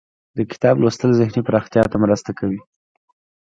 د کتاب لوستل ذهني پراختیا ته مرسته کوي.